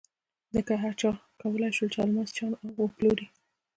ځکه چې هر چا کولای شول چې الماس چاڼ او وپلوري.